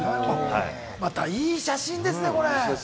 また、いい写真ですね。